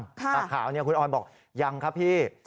แต่ข่าวคุณออนบอกยังครับพี่